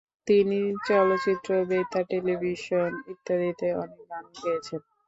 তিনি চলচ্চিত্র, বেতার, টেলিভিশন ইত্যাদিতে অনেক গান গেয়েছেন।